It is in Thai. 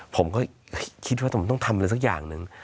ผมก็คิดว่าต้องทำเลยสักอย่างนึง